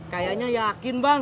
kayaknya yakin bang